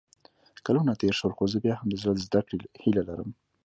کلونه تېر شول خو زه بیا هم د زده کړې هیله لرم